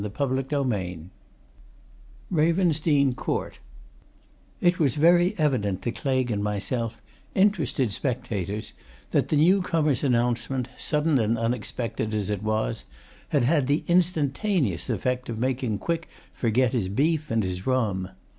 CHAPTER II RAVENSDENE COURT It was very evident to Claigue and myself, interested spectators, that the new comer's announcement, sudden and unexpected as it was, had had the instantaneous effect of making Quick forget his beef and his rum.